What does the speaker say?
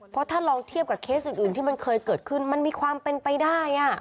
เพราะถ้าลองเทียบกับเคสอื่นที่มันเคยเกิดขึ้นมันมีความเป็นไปได้